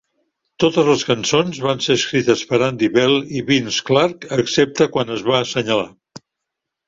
Totes les cançons van ser escrites per Andy bell i Vince Clarke, excepte quan es va assenyalar.